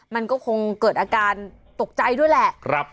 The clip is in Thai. มันก็คงเกิดอาการตกใจด้วยแหละ